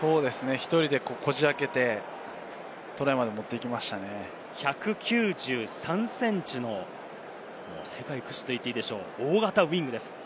１人でこじ開けてトライ１９３ｃｍの世界屈指と言っていいでしょう、大型ウイングです。